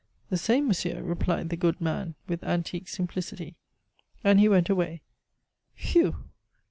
"The same, monsieur," replied the good man, with antique simplicity. And he went away. "Whew!"